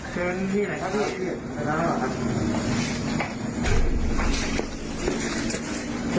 ขออนุญาตคะ